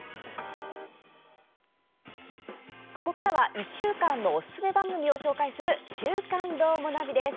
ここからは１週間のおすすめ番組を紹介する「週刊どーもナビ」です。